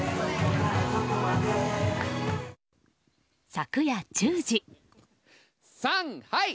昨夜１０時。